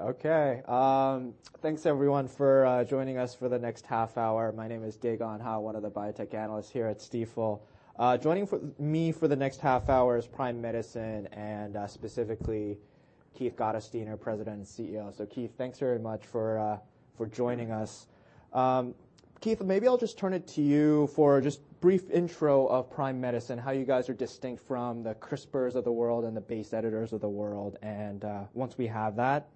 Okay, thanks everyone for joining us for the next half hour. My name is Dae Gon Ha, one of the biotech analysts here at Stifel. Joining for me for the next half hour is Prime Medicine, and specifically, Keith Gottesdiener, President and CEO. So Keith, thanks very much for for joining us. Keith, maybe I'll just turn it to you for just a brief intro of Prime Medicine, how you guys are distinct from the CRISPRs of the world and the base editors of the world, and once we have that,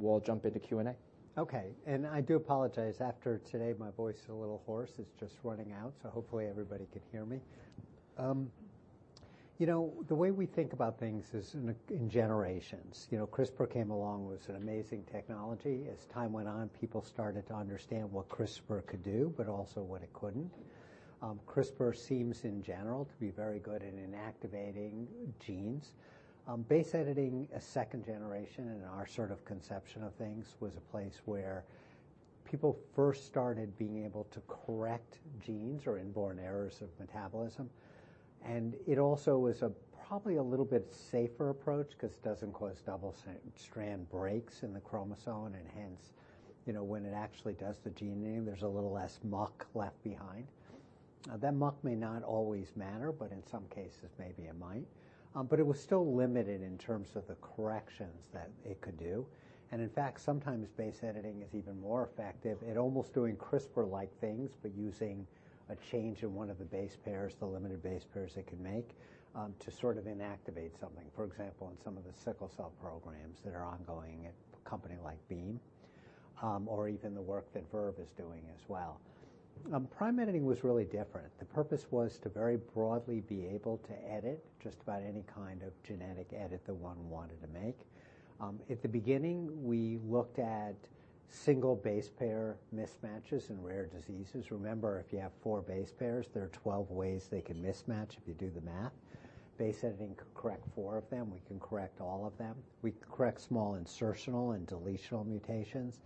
we'll jump into Q&A. Okay, and I do apologize. After today, my voice is a little hoarse. It's just running out, so hopefully everybody can hear me. You know, the way we think about things is in generations. You know, CRISPR came along with an amazing technology. As time went on, people started to understand what CRISPR could do, but also what it couldn't. CRISPR seems, in general, to be very good at inactivating genes. Base editing, a second generation in our sort of conception of things, was a place where people first started being able to correct genes or inborn errors of metabolism, and it also was probably a little bit safer approach 'cause it doesn't cause double-strand breaks in the chromosome, and hence, you know, when it actually does the gene editing, there's a little less muck left behind. That much may not always matter, but in some cases, maybe it might. But it was still limited in terms of the corrections that it could do, and in fact, sometimes base editing is even more effective at almost doing CRISPR-like things, but using a change in one of the base pairs, the limited base pairs it can make, to sort of inactivate something. For example, in some of the sickle cell programs that are ongoing at a company like Beam, or even the work that Verve is doing as well. Prime Editing was really different. The purpose was to very broadly be able to edit just about any kind of genetic edit that one wanted to make. At the beginning, we looked at single base pair mismatches in rare diseases. Remember, if you have four base pairs, there are 12 ways they can mismatch if you do the math. Base editing can correct four of them. We can correct all of them. We correct small insertional and deletional mutations.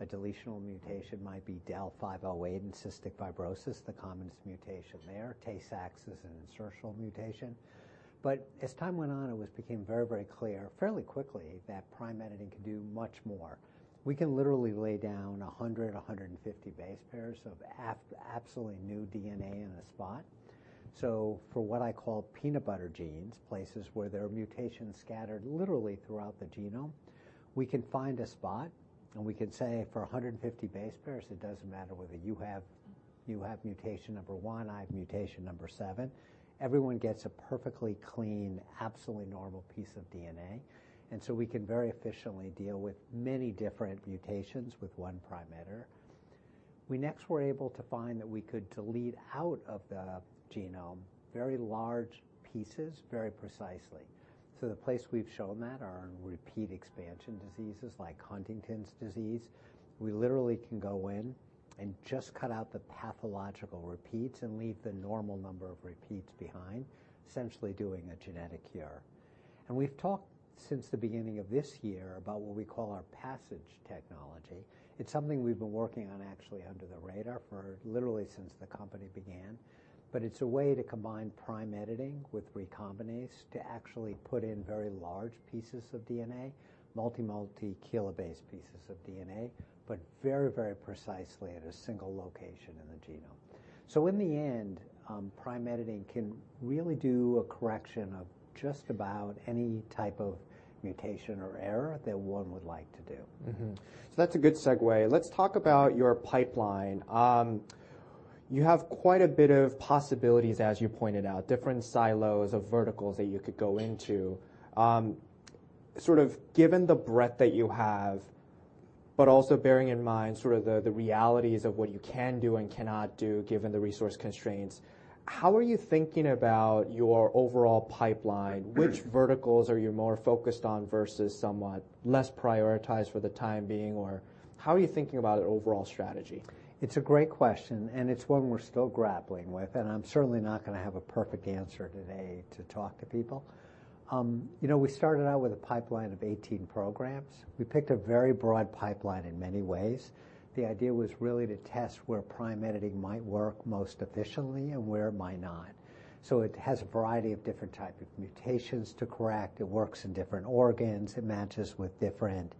A deletional mutation might be Del 508 in cystic fibrosis, the commonest mutation there. Tay-Sachs is an insertional mutation. But as time went on, it became very, very clear, fairly quickly, that Prime Editing can do much more. We can literally lay down 100, 150 base pairs of absolutely new DNA in a spot. So for what I call peanut butter genes, places where there are mutations scattered literally throughout the genome, we can find a spot, and we can say, for 150 base pairs, it doesn't matter whether you have, you have mutation number one, I have mutation number seven. Everyone gets a perfectly clean, absolutely normal piece of DNA, and so we can very efficiently deal with many different mutations with one Prime Editor. We next were able to find that we could delete out of the genome very large pieces, very precisely. So the place we've shown that are in repeat expansion diseases like Huntington's disease. We literally can go in and just cut out the pathological repeats and leave the normal number of repeats behind, essentially doing a genetic cure. And we've talked since the beginning of this year about what we call our PASSIGE technology. It's something we've been working on actually under the radar for literally since the company began, but it's a way to combine Prime Editing with recombinase to actually put in very large pieces of DNA, multi, multi kilobase pieces of DNA, but very, very precisely at a single location in the genome. So in the end, Prime Editing can really do a correction of just about any type of mutation or error that one would like to do. Mm-hmm. So that's a good segue. Let's talk about your pipeline. You have quite a bit of possibilities, as you pointed out, different silos of verticals that you could go into. Sort of given the breadth that you have, but also bearing in mind sort of the realities of what you can do and cannot do, given the resource constraints, how are you thinking about your overall pipeline? Which verticals are you more focused on versus somewhat less prioritized for the time being? Or how are you thinking about your overall strategy? It's a great question, and it's one we're still grappling with, and I'm certainly not gonna have a perfect answer today to talk to people. You know, we started out with a pipeline of 18 programs. We picked a very broad pipeline in many ways. The idea was really to test where Prime Editing might work most efficiently and where it might not. So it has a variety of different type of mutations to correct. It works in different organs. It matches with different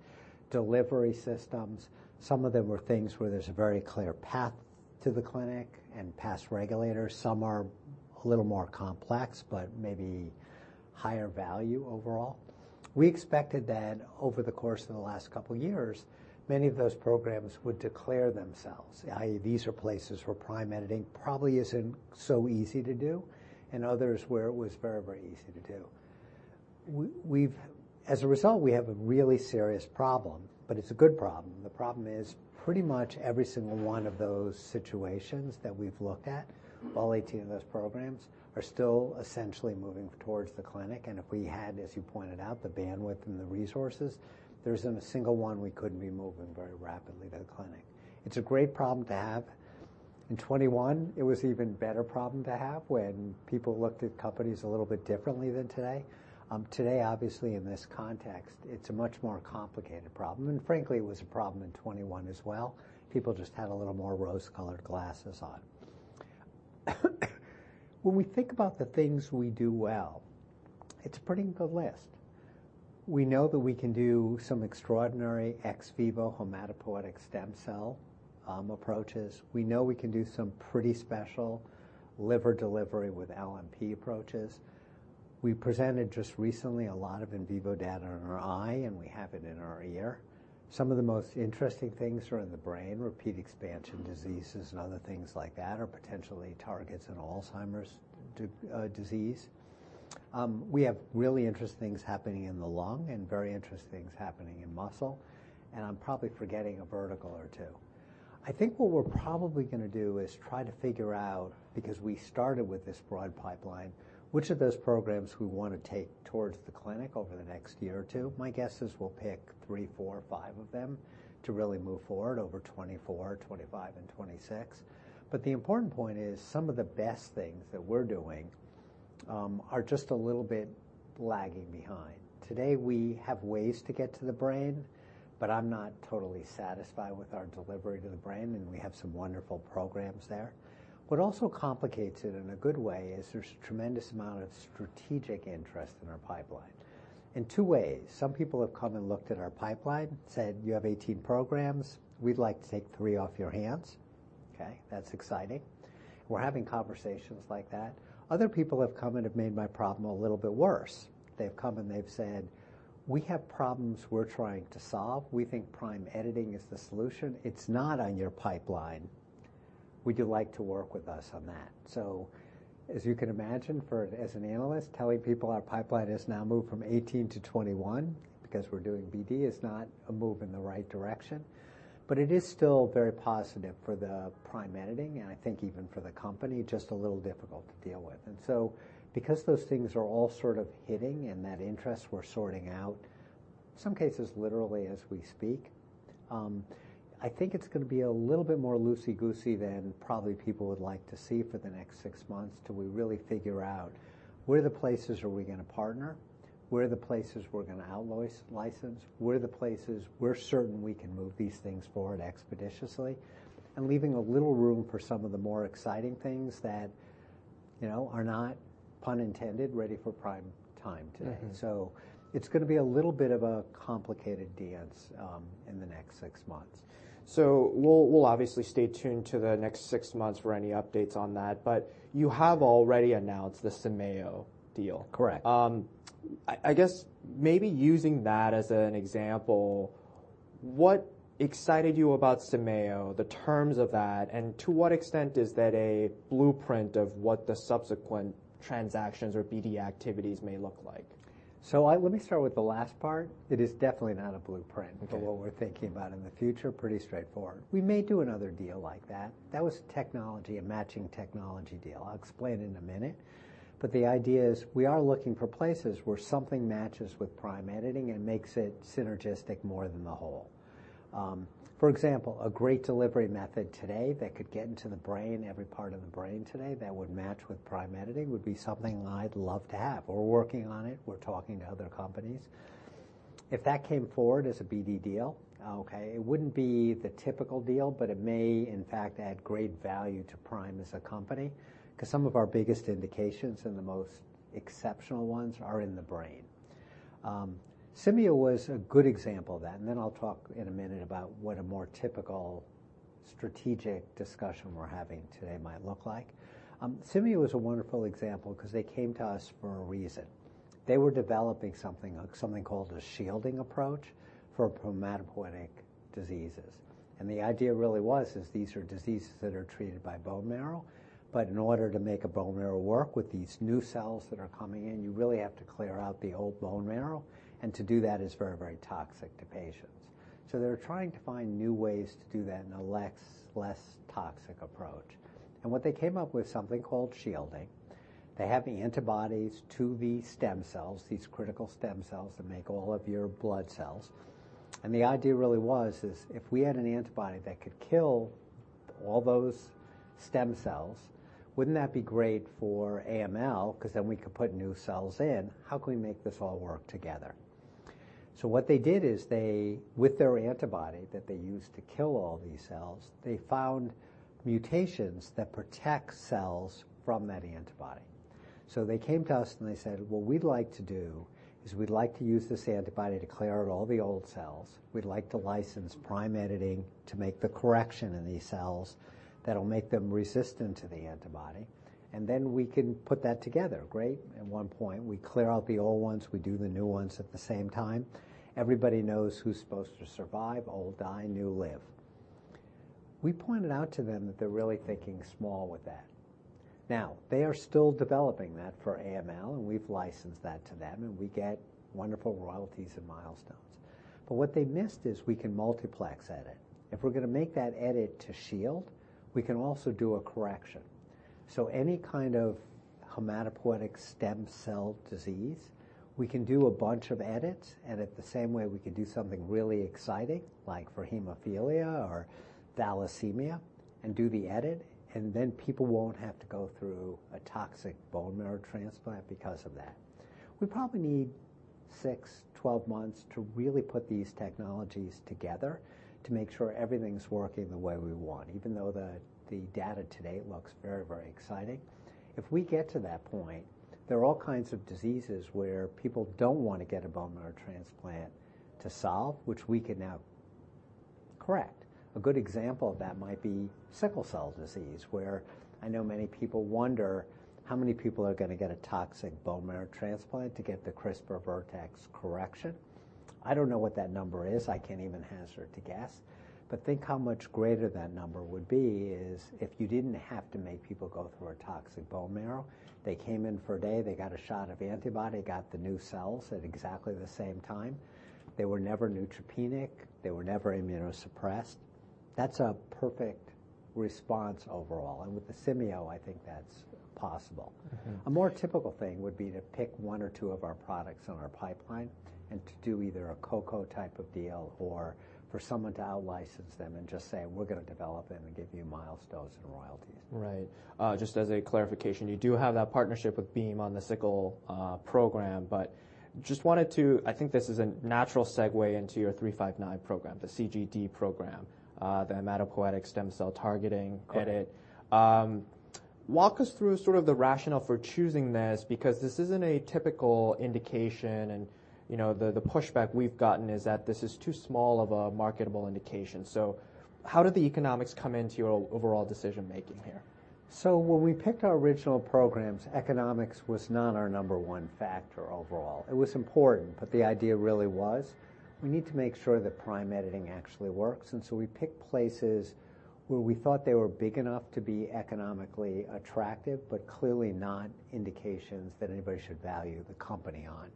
delivery systems. Some of them are things where there's a very clear path to the clinic and past regulators. Some are a little more complex, but maybe higher value overall. We expected that over the course of the last couple of years, many of those programs would declare themselves, i.e., these are places where Prime Editing probably isn't so easy to do, and others where it was very, very easy to do. We've... As a result, we have a really serious problem, but it's a good problem. The problem is pretty much every single one of those situations that we've looked at, all 18 of those programs, are still essentially moving towards the clinic, and if we had, as you pointed out, the bandwidth and the resources, there isn't a single one we couldn't be moving very rapidly to the clinic. It's a great problem to have. In 2021, it was an even better problem to have when people looked at companies a little bit differently than today. Today, obviously, in this context, it's a much more complicated problem, and frankly, it was a problem in 2021 as well. People just had a little more rose-colored glasses on.... When we think about the things we do well, it's a pretty good list. We know that we can do some extraordinary ex vivo hematopoietic stem cell approaches. We know we can do some pretty special liver delivery with LNP approaches. We presented just recently a lot of in vivo data in our eye, and we have it in our ear. Some of the most interesting things are in the brain, repeat expansion diseases and other things like that, or potentially targets in Alzheimer's disease. We have really interesting things happening in the lung and very interesting things happening in muscle, and I'm probably forgetting a vertical or two. I think what we're probably gonna do is try to figure out, because we started with this broad pipeline, which of those programs we want to take towards the clinic over the next year or two. My guess is we'll pick three, four, or five of them to really move forward over 2024, 2025, and 2026. But the important point is, some of the best things that we're doing are just a little bit lagging behind. Today, we have ways to get to the brain, but I'm not totally satisfied with our delivery to the brain, and we have some wonderful programs there. What also complicates it in a good way is there's a tremendous amount of strategic interest in our pipeline. In two ways, some people have come and looked at our pipeline, said, "You have 18 programs. We'd like to take three off your hands." Okay, that's exciting. We're having conversations like that. Other people have come and have made my problem a little bit worse. They've come, and they've said, "We have problems we're trying to solve. We think Prime Editing is the solution. It's not on your pipeline. Would you like to work with us on that?" So as you can imagine, as an analyst, telling people our pipeline has now moved from 18 to 21 because we're doing BD is not a move in the right direction, but it is still very positive for the Prime Editing, and I think even for the company, just a little difficult to deal with. And so because those things are all sort of hitting and that interest we're sorting out, some cases literally as we speak, I think it's gonna be a little bit more loosey-goosey than probably people would like to see for the next six months till we really figure out where the places are we're gonna partner, where are the places we're gonna out-license, where are the places we're certain we can move these things forward expeditiously, and leaving a little room for some of the more exciting things that, you know, are not, pun intended, ready for prime time today. Mm-hmm. It's gonna be a little bit of a complicated dance in the next six months. So we'll obviously stay tuned to the next six months for any updates on that, but you have already announced the Simcere deal. Correct. I guess maybe using that as an example, what excited you about Simcere, the terms of that, and to what extent is that a blueprint of what the subsequent transactions or BD activities may look like? Let me start with the last part. It is definitely not a blueprint- Okay. for what we're thinking about in the future. Pretty straightforward. We may do another deal like that. That was technology, a matching technology deal. I'll explain it in a minute, but the idea is we are looking for places where something matches with Prime Editing and makes it synergistic more than the whole. For example, a great delivery method today that could get into the brain, every part of the brain today, that would match with Prime Editing, would be something I'd love to have. We're working on it. We're talking to other companies. If that came forward as a BD deal, okay, it wouldn't be the typical deal, but it may, in fact, add great value to Prime as a company, 'cause some of our biggest indications and the most exceptional ones are in the brain. Simcere was a good example of that, and then I'll talk in a minute about what a more typical strategic discussion we're having today might look like. Simcere is a wonderful example 'cause they came to us for a reason. They were developing something, something called a shielding approach for hematopoietic diseases, and the idea really was is these are diseases that are treated by bone marrow, but in order to make a bone marrow work with these new cells that are coming in, you really have to clear out the old bone marrow, and to do that is very, very toxic to patients. So they're trying to find new ways to do that in a less toxic approach. And what they came up with something called shielding. They have the antibodies to the stem cells, these critical stem cells that make all of your blood cells. And the idea really was is if we had an antibody that could kill all those stem cells, wouldn't that be great for AML? 'Cause then we could put new cells in. How can we make this all work together? So what they did is they, with their antibody that they used to kill all these cells, they found mutations that protect cells from that antibody. So they came to us, and they said, "What we'd like to do is we'd like to use this antibody to clear out all the old cells. We'd like to license Prime Editing to make the correction in these cells that'll make them resistant to the antibody, and then we can put that together." Great. At one point, we clear out the old ones, we do the new ones at the same time. Everybody knows who's supposed to survive. Old die, new live. We pointed out to them that they're really thinking small with that. Now, they are still developing that for AML, and we've licensed that to them, and we get wonderful royalties and milestones. But what they missed is we can multiplex edit. If we're gonna make that edit to shield, we can also do a correction. So any kind of hematopoietic stem cell disease, we can do a bunch of edits, and at the same way, we can do something really exciting, like for hemophilia or thalassemia, and do the edit, and then people won't have to go through a toxic bone marrow transplant because of that. We probably need-... 6-12 months to really put these technologies together to make sure everything's working the way we want, even though the data today looks very, very exciting. If we get to that point, there are all kinds of diseases where people don't want to get a bone marrow transplant to solve, which we can now correct. A good example of that might be sickle cell disease, where I know many people wonder how many people are gonna get a toxic bone marrow transplant to get the CRISPR-Vertex correction. I don't know what that number is. I can't even hazard to guess, but think how much greater that number would be if you didn't have to make people go through a toxic bone marrow. They came in for a day, they got a shot of antibody, got the new cells at exactly the same time. They were never neutropenic. They were never immunosuppressed. That's a perfect response overall, and with the Simcere, I think that's possible. Mm-hmm. A more typical thing would be to pick one or two of our products in our pipeline and to do either a co-co type of deal or for someone to outlicense them and just say, "We're gonna develop them and give you milestones and royalties. Right. Just as a clarification, you do have that partnership with Beam on the sickle program, but just wanted to... I think this is a natural segue into your 359 program, the CGD program, the hematopoietic stem cell-targeting edit. Correct. Walk us through sort of the rationale for choosing this, because this isn't a typical indication, and, you know, the pushback we've gotten is that this is too small of a marketable indication. So how did the economics come into your overall decision-making here? So when we picked our original programs, economics was not our number one factor overall. It was important, but the idea really was we need to make sure that Prime Editing actually works, and so we picked places where we thought they were big enough to be economically attractive, but clearly not indications that anybody should value the company on.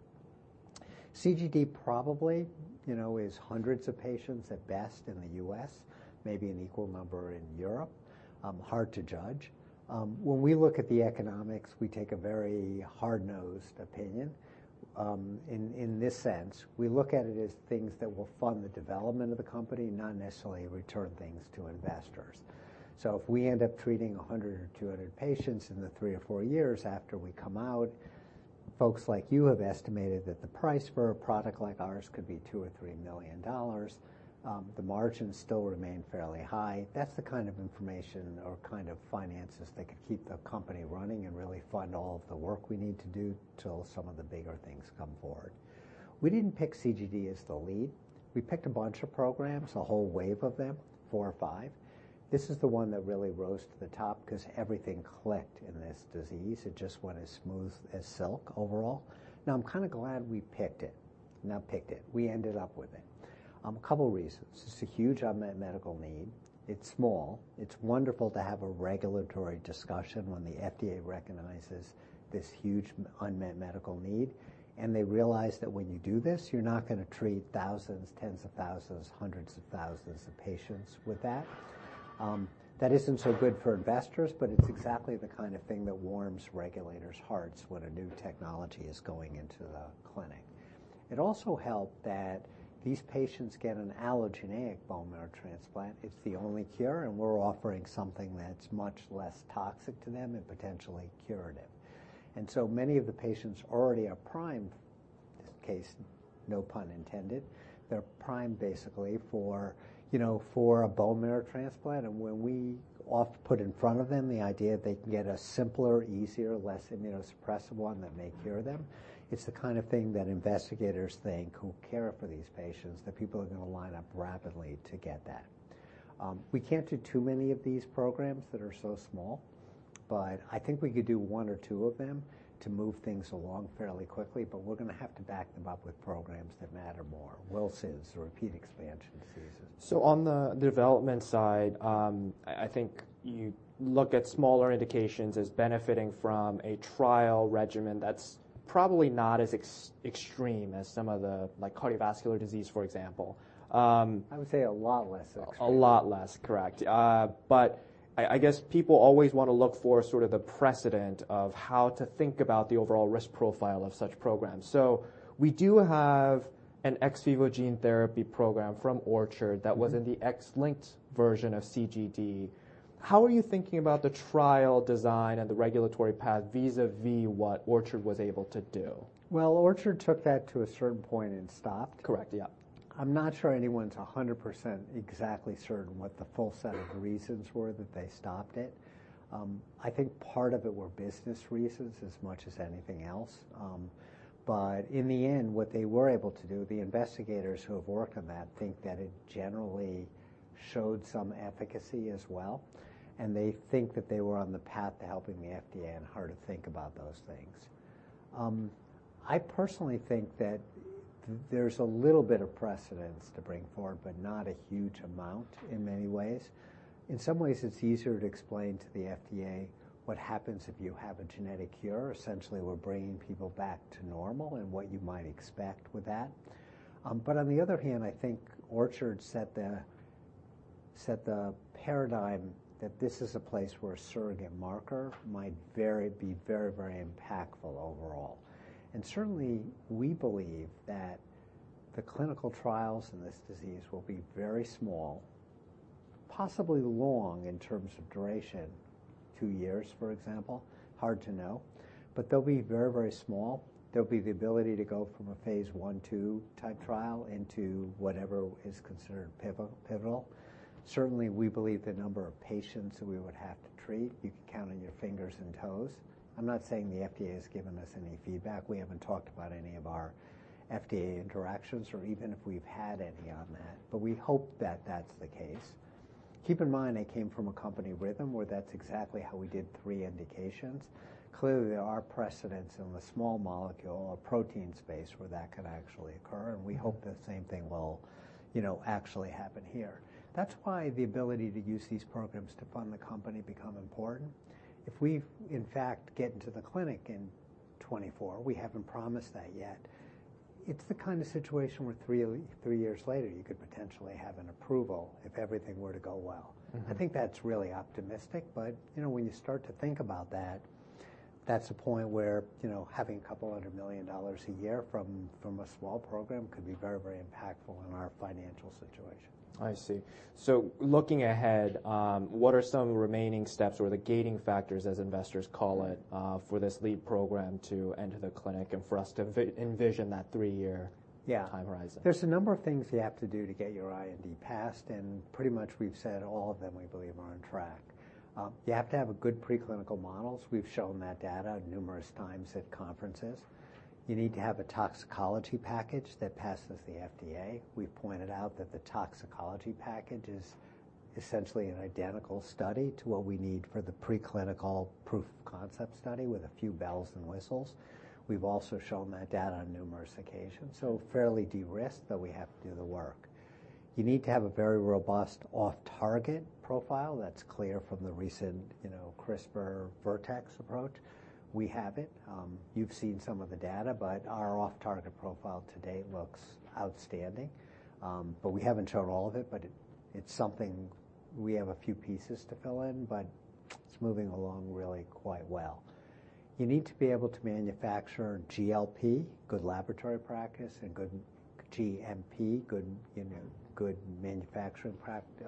CGD probably, you know, is hundreds of patients at best in the U.S., maybe an equal number in Europe. Hard to judge. When we look at the economics, we take a very hard-nosed opinion. In this sense, we look at it as things that will fund the development of the company, not necessarily return things to investors. So if we end up treating 100 or 200 patients in the three or four years after we come out, folks like you have estimated that the price for a product like ours could be $2 million-$3 million. The margins still remain fairly high. That's the kind of information or kind of finances that could keep the company running and really fund all of the work we need to do till some of the bigger things come forward. We didn't pick CGD as the lead. We picked a bunch of programs, a whole wave of them, four or five. This is the one that really rose to the top because everything clicked in this disease. It just went as smooth as silk overall. Now, I'm kind of glad we picked it. Not picked it, we ended up with it. A couple reasons: It's a huge unmet medical need. It's small. It's wonderful to have a regulatory discussion when the FDA recognizes this huge unmet medical need, and they realize that when you do this, you're not gonna treat thousands, tens of thousands, hundreds of thousands of patients with that. That isn't so good for investors, but it's exactly the kind of thing that warms regulators' hearts when a new technology is going into the clinic. It also helped that these patients get an allogeneic bone marrow transplant. It's the only cure, and we're offering something that's much less toxic to them and potentially curative. And so many of the patients already are primed, this case, no pun intended. They're primed, basically, for, you know, for a bone marrow transplant. And when we off... Put in front of them the idea that they can get a simpler, easier, less immunosuppressive one that may cure them. It's the kind of thing that investigators think, who care for these patients, that people are gonna line up rapidly to get that. We can't do too many of these programs that are so small, but I think we could do one or two of them to move things along fairly quickly, but we're gonna have to back them up with programs that matter more, Wilson's, the repeat expansion diseases. So on the development side, I think you look at smaller indications as benefiting from a trial regimen that's probably not as extreme as some of the, like, cardiovascular disease, for example. I would say a lot less extreme. A lot less. Correct. But I guess people always want to look for sort of the precedent of how to think about the overall risk profile of such programs. So we do have an ex vivo gene therapy program from Orchard- Mm-hmm. That was in the X-linked version of CGD. How are you thinking about the trial design and the regulatory path vis-à-vis what Orchard was able to do? Well, Orchard took that to a certain point and stopped. Correct, yeah. I'm not sure anyone's 100% exactly certain what the full set of reasons were that they stopped it. I think part of it were business reasons as much as anything else. But in the end, what they were able to do, the investigators who have worked on that think that it generally showed some efficacy as well, and they think that they were on the path to helping the FDA and how to think about those things. I personally think that there's a little bit of precedence to bring forward, but not a huge amount in many ways. In some ways, it's easier to explain to the FDA what happens if you have a genetic cure. Essentially, we're bringing people back to normal and what you might expect with that. But on the other hand, I think Orchard set the paradigm that this is a place where a surrogate marker might be very, very impactful overall. And certainly, we believe that the clinical trials in this disease will be very small, possibly long in terms of duration, two years, for example. Hard to know, but they'll be very, very small. There'll be the ability to go from a phase 1, 2 type trial into whatever is considered pivotal. Certainly, we believe the number of patients that we would have to treat, you could count on your fingers and toes. I'm not saying the FDA has given us any feedback. We haven't talked about any of our FDA interactions or even if we've had any on that, but we hope that that's the case. Keep in mind, I came from a company, Rhythm, where that's exactly how we did three indications. Clearly, there are precedents in the small molecule or protein space where that could actually occur, and we hope the same thing will, you know, actually happen here. That's why the ability to use these programs to fund the company become important. If we, in fact, get into the clinic in 2024, we haven't promised that yet, it's the kind of situation where three years later, you could potentially have an approval if everything were to go well. Mm-hmm. I think that's really optimistic, but, you know, when you start to think about that, that's a point where, you know, having $200 million a year from a small program could be very, very impactful in our financial situation. I see. So looking ahead, what are some remaining steps or the gating factors, as investors call it, for this lead program to enter the clinic and for us to envision that three-year- Yeah -time horizon? There's a number of things you have to do to get your IND passed, and pretty much we've said all of them, we believe, are on track. You have to have a good preclinical models. We've shown that data numerous times at conferences. You need to have a toxicology package that passes the FDA. We've pointed out that the toxicology package is essentially an identical study to what we need for the preclinical proof of concept study with a few bells and whistles. We've also shown that data on numerous occasions, so fairly de-risked, but we have to do the work. You need to have a very robust off-target profile that's clear from the recent, you know, CRISPR-Vertex approach. We have it. You've seen some of the data, but our off-target profile today looks outstanding. But we haven't shown all of it, but it's something we have a few pieces to fill in, but it's moving along really quite well. You need to be able to manufacture GLP, good laboratory practice, and good GMP, good, you know, good manufacturing practice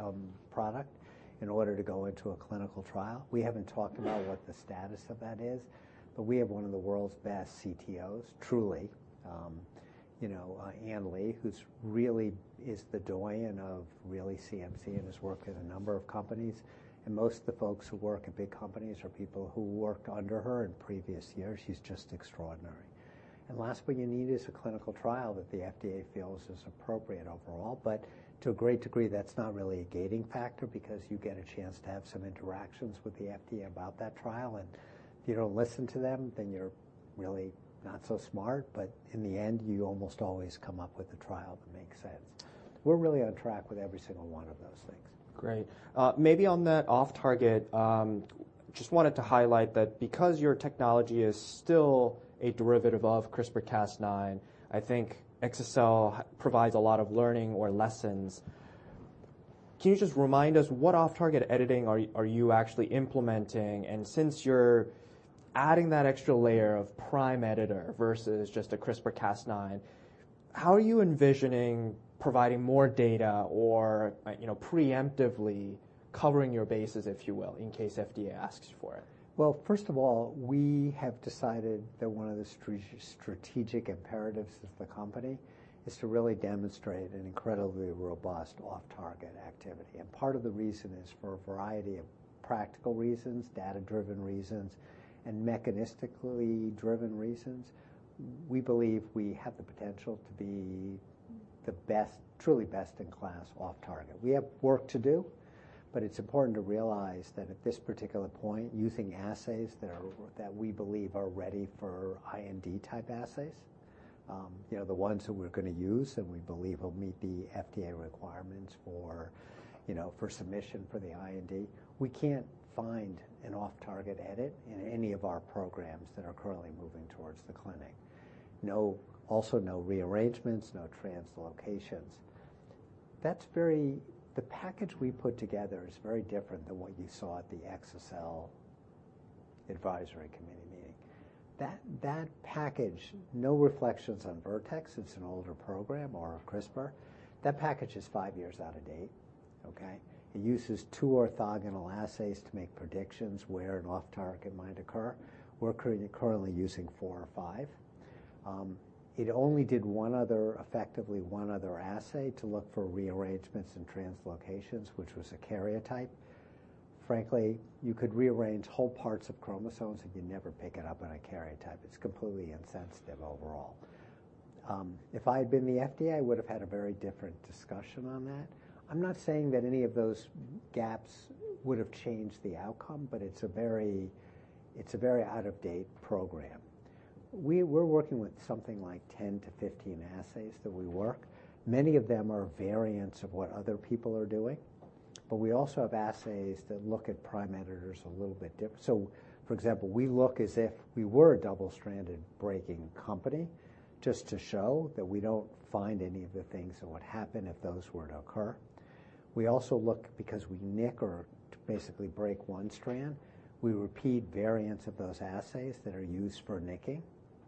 product, in order to go into a clinical trial. We haven't talked about what the status of that is, but we have one of the world's best CTOs, truly, you know, Ann Lee, who's really is the doyen of really CMC and has worked at a number of companies, and most of the folks who work at big companies are people who worked under her in previous years. She's just extraordinary. Last thing you need is a clinical trial that the FDA feels is appropriate overall, but to a great degree, that's not really a gating factor because you get a chance to have some interactions with the FDA about that trial, and if you don't listen to them, then you're really not so smart, but in the end, you almost always come up with a trial that makes sense. We're really on track with every single one of those things. Great. Maybe on that off-target, just wanted to highlight that because your technology is still a derivative of CRISPR-Cas9, I think Exa-cel provides a lot of learning or lessons. Can you just remind us what off-target editing are, are you actually implementing? And since you're adding that extra layer of Prime Editor versus just a CRISPR-Cas9, how are you envisioning providing more data or, you know, preemptively covering your bases, if you will, in case FDA asks for it? Well, first of all, we have decided that one of the strategic imperatives of the company is to really demonstrate an incredibly robust off-target activity. Part of the reason is for a variety of practical reasons, data-driven reasons, and mechanistically driven reasons. We believe we have the potential to be the best, truly best-in-class off-target. We have work to do, but it's important to realize that at this particular point, using assays that we believe are ready for IND type assays, you know, the ones that we're gonna use and we believe will meet the FDA requirements for, you know, for submission for the IND. We can't find an off-target edit in any of our programs that are currently moving towards the clinic. No, also no rearrangements, no translocations. That's very the package we put together is very different than what you saw at the Exa-cel advisory committee meeting. That package, no reflections on Vertex, it's an older program or CRISPR. That package is five years out of date, okay? It uses two orthogonal assays to make predictions where an off-target might occur. We're currently using four or five. It only did effectively one other assay to look for rearrangements and translocations, which was a karyotype. Frankly, you could rearrange whole parts of chromosomes, and you'd never pick it up on a karyotype. It's completely insensitive overall. If I had been the FDA, I would have had a very different discussion on that. I'm not saying that any of those gaps would have changed the outcome, but it's a very out-of-date program. We're working with something like 10-15 assays that we work. Many of them are variants of what other people are doing, but we also have assays that look at Prime Editors a little bit different, so, for example, we look as if we were a double-strand breaking company, just to show that we don't find any of the things that would happen if those were to occur. We also look, because we nick or to basically break one strand, we repeat variants of those assays that are used for nicking.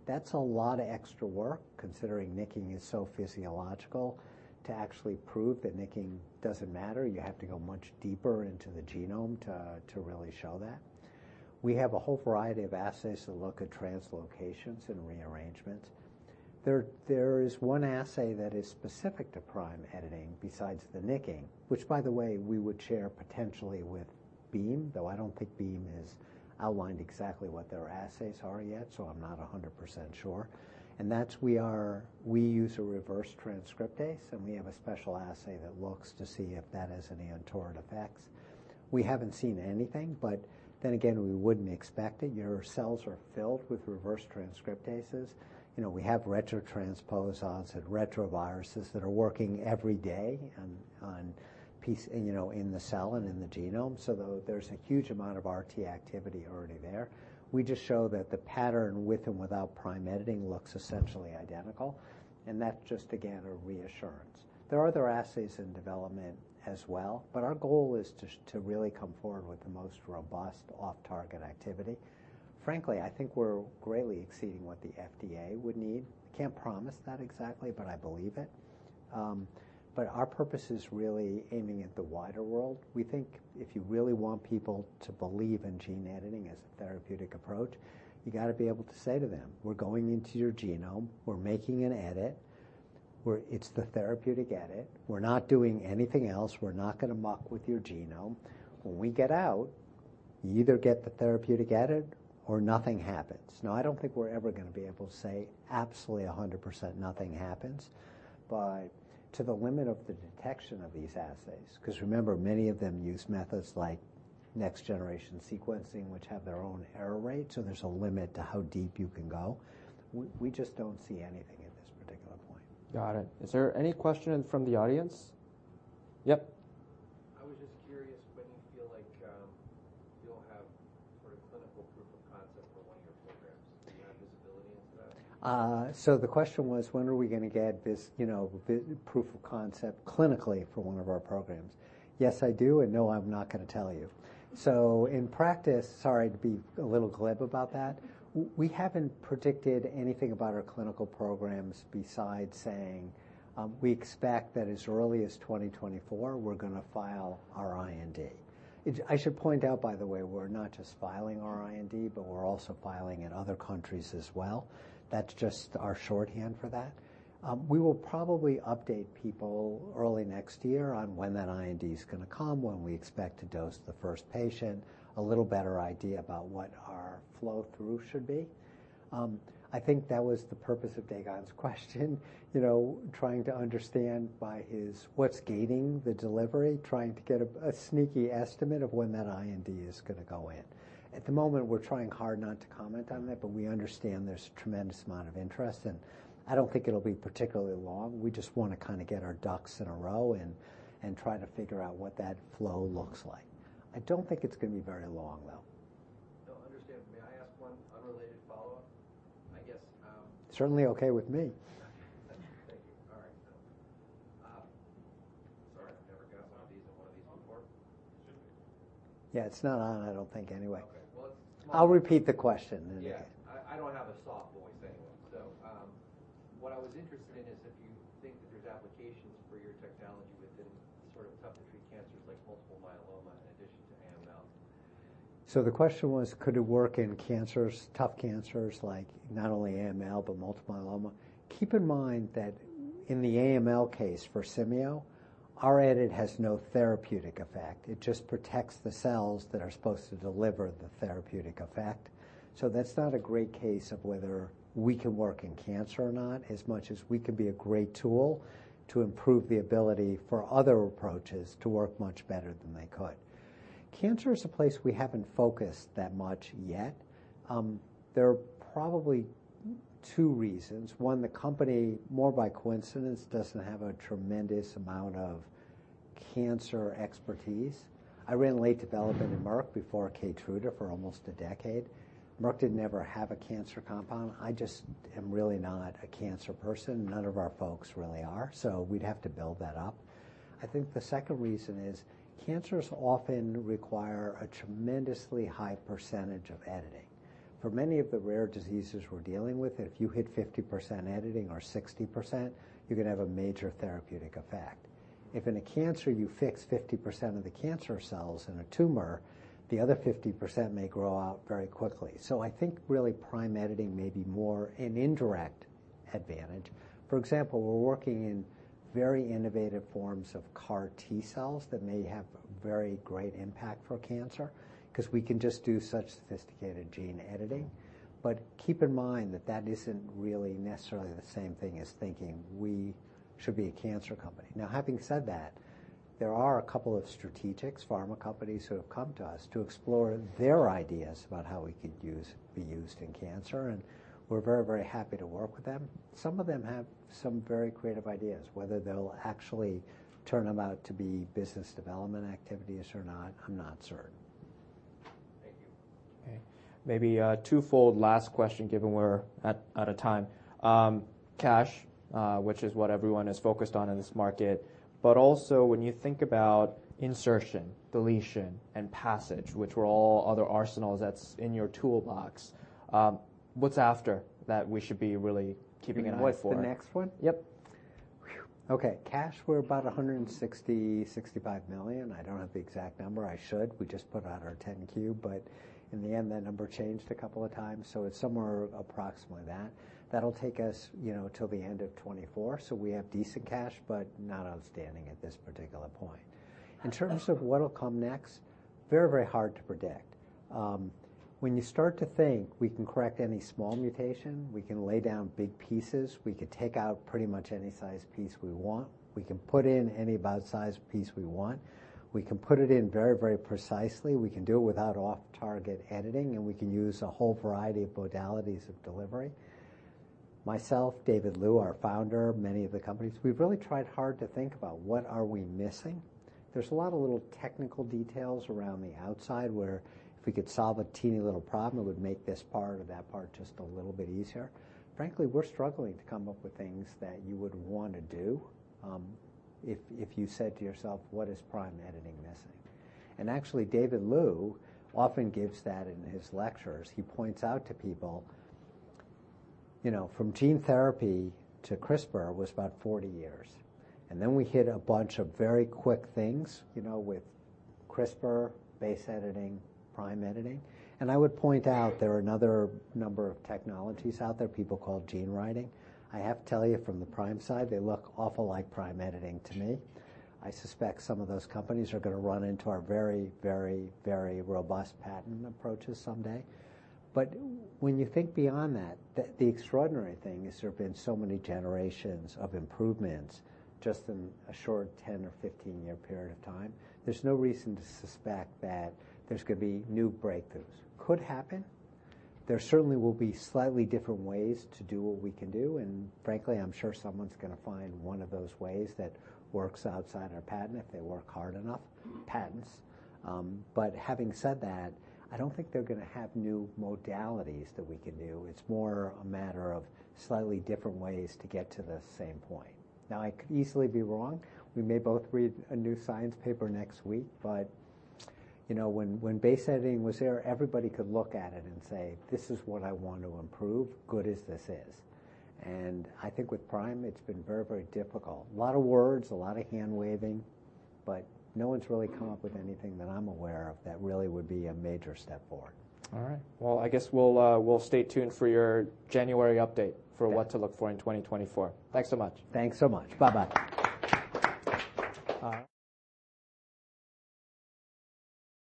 That's a lot of extra work, considering nicking is so physiological. To actually prove that nicking doesn't matter, you have to go much deeper into the genome to really show that. We have a whole variety of assays that look at translocations and rearrangements. There is one assay that is specific to Prime Editing besides the nicking, which by the way, we would share potentially with Beam, though I don't think Beam has outlined exactly what their assays are yet, so I'm not 100% sure. And that's-- we use a reverse transcriptase, and we have a special assay that looks to see if that has any untoward effects. We haven't seen anything, but then again, we wouldn't expect it. Your cells are filled with reverse transcriptases. You know, we have retrotransposons and retroviruses that are working every day on, on piece... you know, in the cell and in the genome. So though there's a huge amount of RT activity already there, we just show that the pattern with and without Prime Editing looks essentially identical, and that's just, again, a reassurance. There are other assays in development as well, but our goal is just to really come forward with the most robust off-target activity. Frankly, I think we're greatly exceeding what the FDA would need. I can't promise that exactly, but I believe it. But our purpose is really aiming at the wider world. We think if you really want people to believe in gene editing as a therapeutic approach, you got to be able to say to them, "We're going into your genome. We're making an edit, where it's the therapeutic edit. We're not doing anything else. We're not going to muck with your genome. When we get out, you either get the therapeutic edit or nothing happens." Now, I don't think we're ever going to be able to say absolutely 100% nothing happens, but to the limit of the detection of these assays, because remember, many of them use methods like next-generation sequencing, which have their own error rate, so there's a limit to how deep you can go. We, we just don't see anything at this particular point. Got it. Is there any question from the audience? Yep. I was just curious, when you feel like you'll have sort of clinical proof of concept for one of your programs? Do you have visibility into that? So the question was, when are we going to get this, you know, proof of concept clinically for one of our programs? Yes, I do, and no, I'm not going to tell you. So in practice, sorry to be a little glib about that, we haven't predicted anything about our clinical programs besides saying, we expect that as early as 2024, we're going to file our IND. I should point out, by the way, we're not just filing our IND, but we're also filing in other countries as well. That's just our shorthand for that. We will probably update people early next year on when that IND is going to come, when we expect to dose the first patient, a little better idea about what our flow-through should be. I think that was the purpose of Dae Gon's question, you know, trying to understand by his, what's gating the delivery, trying to get a sneaky estimate of when that IND is going to go in. At the moment, we're trying hard not to comment on that, but we understand there's a tremendous amount of interest, and I don't think it'll be particularly long. We just want to kind of get our ducks in a row and try to figure out what that flow looks like. I don't think it's going to be very long, though. No, I understand. May I ask one unrelated follow-up? I guess, Certainly okay with me. Thank you. All right. Sorry, I've never got on one of these before. It should be- Yeah, it's not on, I don't think, anyway. Okay. Well, it's- I'll repeat the question then. Yeah. I don't have a soft voice anyway, so what I was interested in is if you think that there's applications for your technology within sort of tough-to-treat cancers like multiple myeloma in addition to AML? So the question was, could it work in cancers, tough cancers, like not only AML, but multiple myeloma? Keep in mind that in the AML case for Simcere, our edit has no therapeutic effect. It just protects the cells that are supposed to deliver the therapeutic effect. So that's not a great case of whether we can work in cancer or not, as much as we can be a great tool to improve the ability for other approaches to work much better than they could. Cancer is a place we haven't focused that much yet. There are probably two reasons: one, the company, more by coincidence, doesn't have a tremendous amount of cancer expertise. I ran late development in Merck before Keytruda for almost a decade. Merck didn't ever have a cancer compound. I just am really not a cancer person. None of our folks really are, so we'd have to build that up. I think the second reason is cancers often require a tremendously high percentage of editing. For many of the rare diseases we're dealing with, if you hit 50% editing or 60%, you're going to have a major therapeutic effect. If in a cancer, you fix 50% of the cancer cells in a tumor, the other 50% may grow out very quickly. So I think really, Prime Editing may be more an indirect advantage. For example, we're working in very innovative forms of CAR T-cells that may have a very great impact for cancer, because we can just do such sophisticated gene editing. But keep in mind that that isn't really necessarily the same thing as thinking we should be a cancer company. Now, having said that, there are a couple of strategics, pharma companies, who have come to us to explore their ideas about how we could be used in cancer, and we're very, very happy to work with them. Some of them have some very creative ideas. Whether they'll actually turn out to be business development activities or not, I'm not certain.... maybe a twofold last question, given we're out of time. Cash, which is what everyone is focused on in this market, but also when you think about insertion, deletion, and passage, which were all other arsenals that's in your toolbox, what's after that we should be really keeping an eye for? What's the next one? Yep. Okay. Cash, we're about $160-$165 million. I don't have the exact number. I should. We just put out our 10-Q, but in the end, that number changed a couple of times, so it's somewhere approximately that. That'll take us, you know, till the end of 2024. So we have decent cash, but not outstanding at this particular point. In terms of what'll come next, very, very hard to predict. When you start to think we can correct any small mutation, we can lay down big pieces, we can take out pretty much any size piece we want, we can put in any about size piece we want, we can put it in very, very precisely, we can do it without off-target editing, and we can use a whole variety of modalities of delivery. Myself, David Liu, our founder, many of the companies, we've really tried hard to think about what are we missing? There's a lot of little technical details around the outside, where if we could solve a teeny little problem, it would make this part or that part just a little bit easier. Frankly, we're struggling to come up with things that you would want to do, if you said to yourself, "What is Prime Editing missing?" And actually, David Liu often gives that in his lectures. He points out to people, you know, from gene therapy to CRISPR was about 40 years, and then we hit a bunch of very quick things, you know, with CRISPR, Base editing, Prime Editing. And I would point out there are another number of technologies out there people call gene writing. I have to tell you, from the prime side, they look awful like prime editing to me. I suspect some of those companies are gonna run into our very, very, very robust patent approaches someday. But when you think beyond that, the extraordinary thing is there have been so many generations of improvements just in a short 10- or 15-year period of time. There's no reason to suspect that there's gonna be new breakthroughs. Could happen. There certainly will be slightly different ways to do what we can do, and frankly, I'm sure someone's gonna find one of those ways that works outside our patent if they work hard enough. But having said that, I don't think they're gonna have new modalities that we can do. It's more a matter of slightly different ways to get to the same point. Now, I could easily be wrong. We may both read a new science paper next week, but, you know, when Base Editing was there, everybody could look at it and say, "This is what I want to improve, good as this is." And I think with Prime, it's been very, very difficult. A lot of words, a lot of hand-waving, but no one's really come up with anything that I'm aware of that really would be a major step forward. All right. Well, I guess we'll stay tuned for your January update- Yeah... for what to look for in 2024. Thanks so much. Thanks so much. Bye-bye. All right.